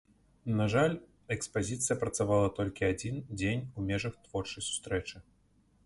На жаль, экспазіцыя працавала толькі адзін дзень у межах творчай сустрэчы.